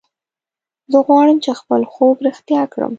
زه غواړم چې خپل خوب رښتیا کړم